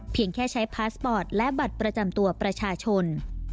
แค่ใช้พาสปอร์ตและบัตรประจำตัวประชาชน